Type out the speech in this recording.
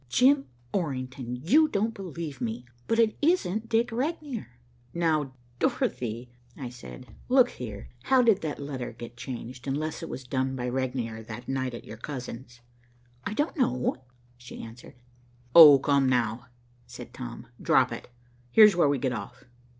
"Jim Orrington, you don't believe me, but it isn't Dick Regnier." "Now, Dorothy," I said, "look here. How did the letter get changed, unless it was done by Regnier that night at your cousin's?" "I don't know," she answered. "Oh, come now," said Tom. "Drop it. Here's where we get off."